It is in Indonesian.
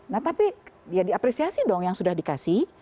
nah tapi ya diapresiasi dong yang sudah dikasih